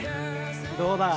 どうだ？